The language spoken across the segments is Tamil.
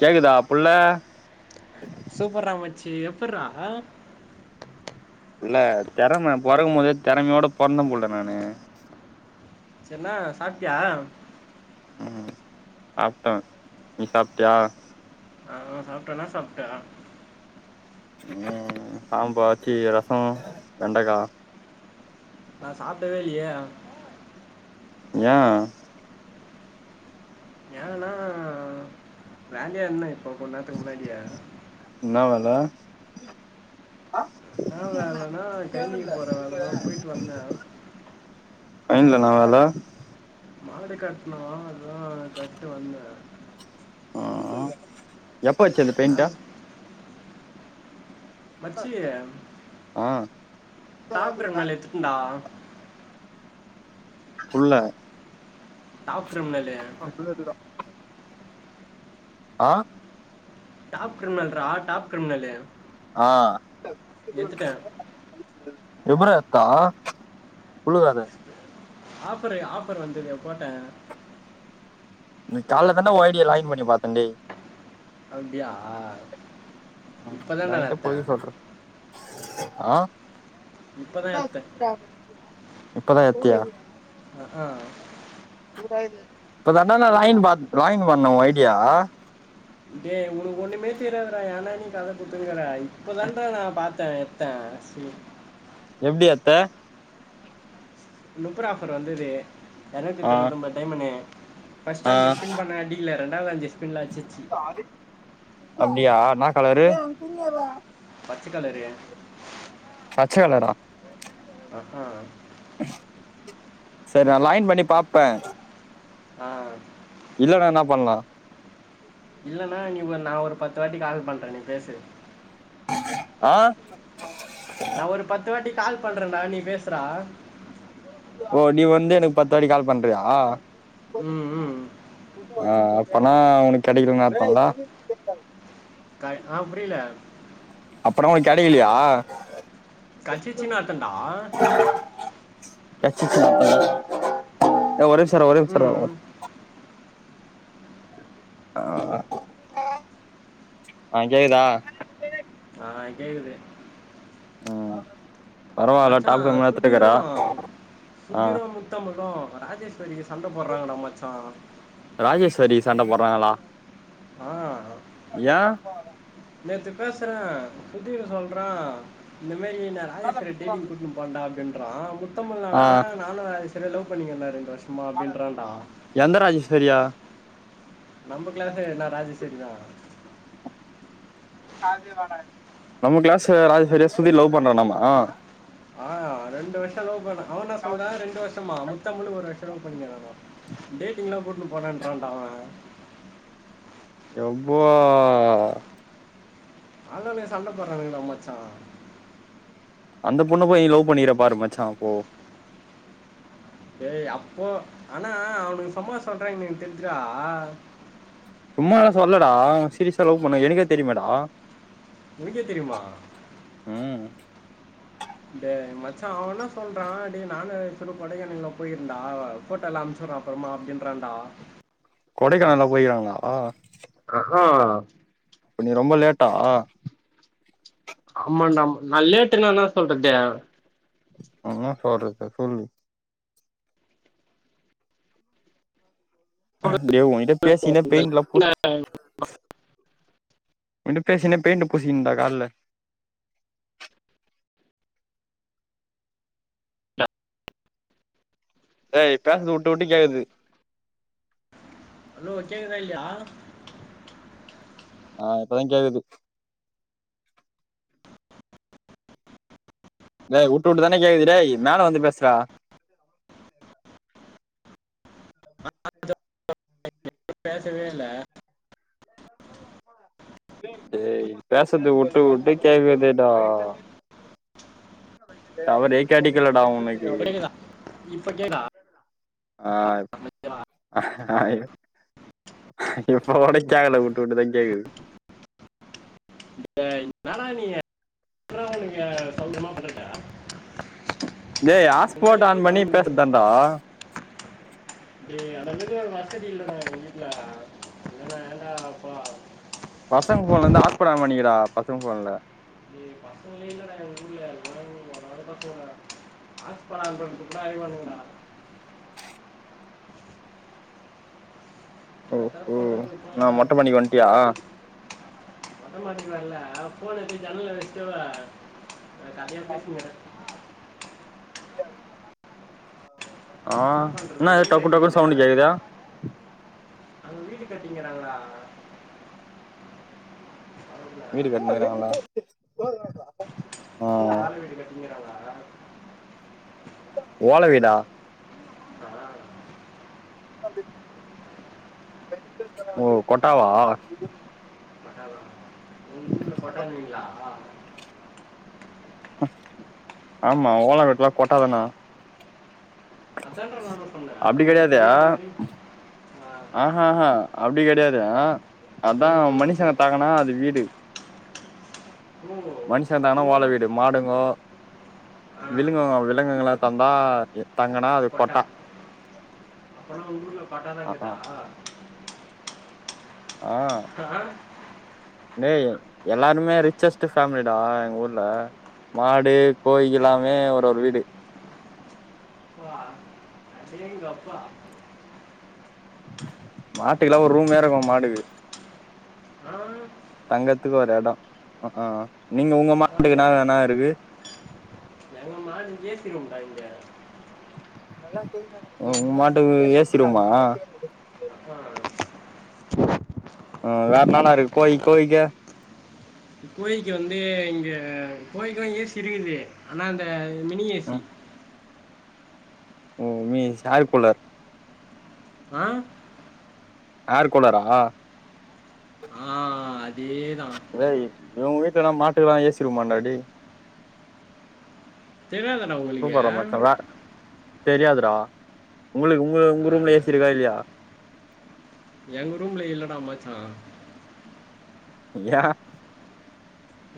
கேக்குதா புள்ள சூப்பர்ரா மச்சி எப்ர்றா இல்ல தெறம பொறக்கு போதே தெறமையோட பொறந்த போல்டா நானு சன்னா சாப்ட்டியா ம் சாப்ட்டன் நீ சாப்ட்டியா ஆ சாப்ட்டே என்னா சாப்ட்டே ம் சாம்ப சி ரசோ வெண்டக்கா நா சாப்ட்டவே இல்லையே என் ஏன்னா வேலையாருந்தே இப்போ கொஞ்ச நேரத்துக்கு முன்னாடியா இன்னா வேல அ இன்னா வேலைன்னா கைனிக்கி போற வேலைதா போய்ட்டு வந்தே கைனில இன்னா வேல மாடு கட்டினு அததா கட்டு வந்தே ஆ எப்போ வச்ச அந்த நான் பெயிண்ட்டா மச்சி ஆ டாப்பு [unintelligible] எத்துக்குண்ட குல்ல டாப் க்ரிமினலு சொல்வது தா ஆ டாப் க்ரிமினல்ரா டாப் க்ரிமினலு ஆ [unintelligible] ரிபர இருக்கா புழுவாத ஆஃபரு ஆஃபர் வந்தது போட்ட நீ கால தான ஓ ஐடியா லைன் பண்ணி பாத்தேன் டே அப்படியா இப்பதா டா நா என்கிட்ட எடுத்துதே பொய் சொல்ற ஆ இப்பதான் எத்தேன் இப்பதா எத்தியா ஆ அ இப்போ தாண்டா நா லைன் பாத் வாங்கிட்டு வரணும் ஐடியா டே உனக்கு ஒண்ணுமே தெரியதுறா என்னடா நீ கத கொடுத்துருங்கற இப்பதான் நா பாத்தே எடுத்த சரி எப்படி எடுத்த முப்பது ரூபா ஆஃபர் வந்தது இராணுத்தி ஆ தொண்ணூத்தின்ம்பது டைமன்நு ஃபர்ஸ்ட் ஆ ஜஸ்ட் ஸ்பின் பண்ண இல்ல ரெண்டாவது விளையாண்ட ஸ்பின்ல அடிச்சு அப்படியா என் கலரு பச்சை கலரு பச்ச கலரா ஆ அ சரி நா லைன் பண்ணி பாப்பே ஆ இல்லண்ணா என்ன பண்ணலா இல்லன்னா நீ நா ஒரு பத்து வாட்டி கால் பண்றேன் நீ பேசு ஆ நா ஒரு பத்து வாட்டி கால் பண்றேண் டா நீ பேசுறா ஓ நீ வந்து எனக்கு பத்துவாட்டி கால் பண்றியா உம் உம் ஆ அப்பனா உனக்கு கிடைக்கலன்னு அர்த்தம்லா ஆ புரியல அப்பனா உனக்கு கிடைக்கலையா கடசிச்சின் அர்த்தம்டா கடசிச்சின் ஏ ஒரு நிமிஷம் இருடா ஒரு ம் நிமிஷம் ஆ ஆ கேக்குதா ஆ கேக்குது ஆ பரவால்ல மச்சான் டாப்கண் எடுத்துருக்காரா ஆ முத்தமிளும் ராஜேஸ்வரி சண்ட போடுறாங்கடா மச்சா ராஜேஸ்வரி சண்ட போடுறாங்களா ஆ ஏ நேத்து பேசுற புதின் சொல்றா இந்த மாதிரி நா ராஜஸ்வரி டேடிங் கூட்டன் போரன் டா அப்படின்றா முத்தமிழ் ஆ என்னடனா நானும் ஐஸ்வர்யா லவ் பண்ணிக்கே ரெண்டு வருஷமா அப்படின்றான்டா எந்த ராஜேஸ்வரியா நம்ம கிளாஸ் என்ன ராஜேஸ்வரிதா நம்ம கிளாஸ் ராஜேஷ்வரியா சுதிர் லவ் பண்ணானாமா ஆ ரெண்டு வருஷம் லவ் அவ என்ன சொன்னா ரெண்டு வருஷம் மா முத்தமிழ் ஒரு வருஷம் லவ் பண்ணிருக்கானா டேட்டிங்லா கூட்டு போனன்றண்ட அவ எப்பா அதனாலயா சண்ட போடுறங்கள மச்சா அந்த பொண்ண போய் நீ லவ் பண்ணி இருக்க பாருமாச்சா அப்போ ஏய் அப்போ ஆனா அவனுக்கு சும்மா சொல்றாங்கக்கு எனக்கு தெரியுது டா சும்மால்லா சொல்லடா சீரியஸா லவ் பண்ணே எனக்கே தெரியுமேடா உனக்கே தெரியுமா உம் டே மச்சா அவன் என்னா சொல்றா டே நானு [unintelligible] கொடைக்கானல்லா போயிருக்கன் டா போட்டோல்லா அமுச்சிவுட்ற அப்றமா அப்டின்றாண்டா கொடைக்கானலா போயிருக்கறாங்ளா அ ஆ அப்ப நீ ரொம்ப லேட்டா அமான்டா நா லேட்டுன்னா என்னா சொல்றது என்னா சொல்றது சொல்லு டேய் ஒங்கிட்ட பேசிகினே பெய்ன்ட்லா பு ஒங்கிட்ட பேசிகே பெயின்ட்ட பூசிகினன்டா கால்ல டேய் பேசர்து உட்டு உட்டு கேக்குது ஹலோ கேக்குதா இல்லயா ஆ இப்பதாங் கேக்குது டேய் உட்டு உட்டு தான்டா கேக்குது டேய் மேல வந்து பேசுறா டேய் சரிடா [inaudible] பேசவே இல்ல டேய் பேசறது உட்டு உட்டு கேக்குதுடா டவரே கெடைக்கலடா உன் இப்ப கேக்குதா இப்ப கேக்தா [unintelligible] ஐய்யோ இப்போ கூட கேக்கல உட்டு உட்டு தா கேக்குது இப்ப என்னாடா நீயி எப்பற்றா உனக்கு சவுண்ட் இல்லாம பண்றது டேய் ஆஸ்பாட் ஆன் பண்ண பண்ணி முடியும் பேசறதாண்டா டேய் அந்த மாறி ஒரு வசதி இல்லடா எங்க வீட்டுல இல்லன்னா ஏன்டா எங்கப்பா பசங்க ஃபோன்ல இருந்து ஆஸ்பாட் ஆன் பண்ணிக்கிடா பசங்க ஃபோன்ல டே பசங்களே இல்லடா எங்க ஊர்ல [unintelligible] ஆஸ்பாட் ஆன் பண்றத்கூட அழுவாங்கடா ஓ நான் தப்பு ஒ பண்ணுறது என்னா மொட்ட மாடிக்கி வன்ட்டியா மொட்ட மாடிக்கி வர்ல ஃபோன் எடுத்து ஜன்னல வச்சிட்டவே நா கதையா பேசின்னுக்கற [inaudible] ஆ என்னா பண்றது என்ன இது வெயிலு டக்கு டக்குன்னு அடிக்கிது சவுண்டு கேக்குது [inaudible] அங்க வீடு கட்டிங்கறாங்கடா [unintelligible] வீடு கட்டுனுயிருக்கறாங்களா உம் [inaudible] ஓலை வீடா அ ஆ ஓ கொட்டாவா கொட்டாவா உங்க ஊர்ல கொட்டாம்பீங்ளா ஆமா ஓலை வீட்லா கொட்டாதான அத்தான்டா நானும் சொன்ன அப்டி உனக்கு கெடையாது புரியிற மாறி ஆ ஆ ஆ அப்டி கிடையாது அத்தா ம் மனுஷங்க தாங்கனா அது வீடு ஓ மனுஷ தங்குனா அப்போ ஓளவீடு மாடுங்கோ ஆ, விலங்குங்கோ விலங்குங்க தங்குனா தங்குனா அது கொட்டா அப்போனா உங்க ஊர்ல கொட்டா அ அ தாங்கதா அ டேய் எல்லாருமே ரிச்சஸ்ட் ஃபேமிலிடா எங்க ஊர்ல மாடு கோழிக் எல்லாமே ஒரு ஒரு வீடு ப்பா அடேங்கப்பா மாட்டுக்கல்லா ஒரு ரூம் வேற இருக்கு மாடுக்கு அ தங்கர்த்துக்கு ஒரு எடோ அ அ பரவால்லியே எங்க மாடுக்கு ஏ சி ரூம்டா இங்க உங்மாட்டுக்கு ஏ சி ரூமா [unintelligible] ஆ வேற என்னலா இருக்கு கோழி கோழிக்கு கோழிக்கு வந்து இங்கே கோழிக்குலா ஏ சி இருக்குது ஆனா அந்த மினி ஏ சி ஓ mini A C air cooler அ ஏர் கூலரா அதேதா டேய் இவங்க வீட்லல்லா மாட்டுக்கெல்லா ஏசி ரூமாண்டா டேய் தெரியாதடா உங்களுக்கு சூப்பர்ராமச்சா வே தெரியதுறா உங்ளுக் உங்க உங்க அட, ரூம்ல ஏ சி இருக்கா இல்லியா எங்க ரூம்ல இல்லடா மச்சா யே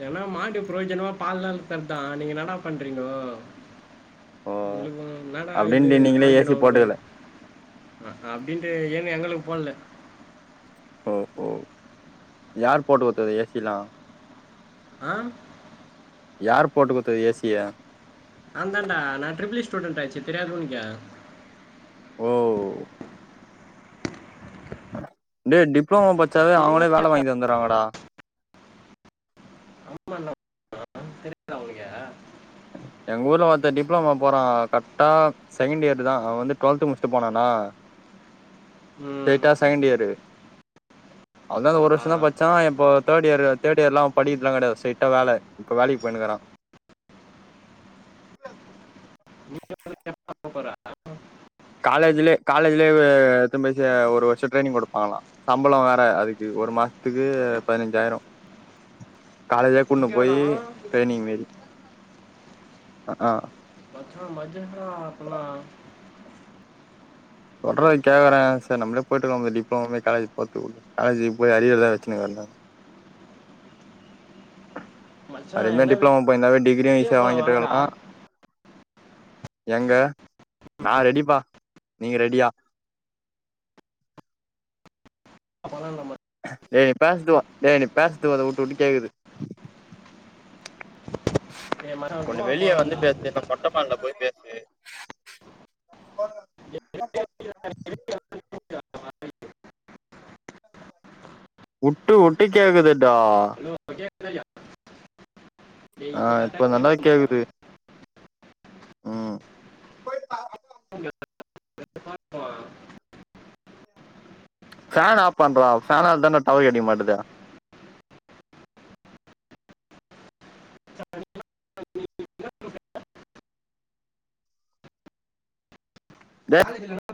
ஏன்னா மாடி பிரயோஜனமா பால்லாதருதா நீங்க என்டா பண்றீங்கோ ஓ உழுகு என்னடா இது அப்டின்ட்டு நீங்களே ஏ பிரயோஜனோ சி உங்ளு போட்டுக்கல அக்க அப்டின்ட்டு ஏனு எங்ளுக்கு போட்ல ஓ ஓ யார் போட்டு குடுத்தது ஏசிலா அ யார் போட்டு குடுத்தது ஏசிய நாந்தாண்டா ந ட்ருபுள் இ ஸ்டூடன்ட் ஆச்சு தெரியாது உனக்கு ஓ டே டிப்ளமோ படிச்சாவே தெரியுமா அவுங்களே வேல வாங்கி தந்தறாங்கடா [unintelligible] அவுகளுக்க எங்க ஊர்ல ஒருத்த டிப்ளமோ போறா கர்டா செகண்ட் இயர்தா அவவந்து டுவெல்து முடிச்ட்டு போனானா ம் ஸ்ட்ரைட்டா செகண்டு இயரு அதா ஒரு ஆ வர்ஷோதா படிச்சா இப்போ தேர்ட் இயர் தேர்ட் இயர் படிக்கற்துலா கெடையாது ஸ்ட்ரைட்டா வேல இப்ப வேலைக்குபொய்ணுக்குறா அ காலேஜ்லியே காலேஜ்லியேவே எட்துனு போயி ஒரு வர்ஷோ ட்ரைனிங் குடுப்பாங்ளா சம்பளோ வேற அதுக்கு ஒரு மாசத்துக்கு பதினஞ்சாயிரோ காலேஜ்லியே கூட்ணு போயி அப்படியாடா ட்ரைனிங் மாறி அ ஹ் ஹ ஆ மஜ்ஜதா அப்பனா சொல்றத கேக்குற சேர் நம்ளே பொயிட்டுக்குவோ டிப்ளமோவே காலேஜ் போரத்து குள் காலேஜ் கு போய் அரியர்தா எல்ல வச்சுனுருக்குறன்டா மச்சான் அருமையா எங்கன்னா டிப்ளமோ போய் இருந்தாவே டிகிரியும் வெளியே ஈசியாசா போகலாம் வாங்கிட்டு வாங்கடா இருக்கலாம் எங்க நான் ரெடிப்பா நீங்கள் ரெடியா அப்பலாம் நம்ம ய் நீ பேசுட்டுவான் ய் நீ பேசுதுவ அதை விட்டு விட்டு கேக்குது ஏ மச்சான் ஒண்ணு கோவா வெளியே வந்து போகலாம்டா பேசு இல்ல மொட்ட மாடில போய் பேசு உட்டு உட்டு கேக்குதுடா [unintelligible] டேய் இப்போ ஆஹ் இப்ப கரெக்டாக நல்லாவே கேக்குது உம் ஃபேன் ஆஃப் பண்றா ஃபன் அதான டவர் கிடைக்க மாட்டாது டே காலேஜல